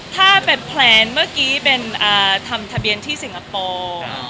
ถ้าเป็นแพลนเมื่อกี้เป็นทำทะเบียนที่สิงคโปร์